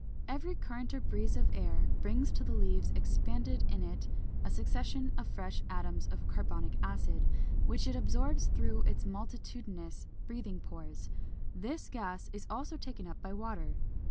Every current or breeze of air brings to the leaves expanded in it a succession of fresh atoms of carbonic acid, which it absorbs through its multitudinous breathing pores. This gas is also taken up by water.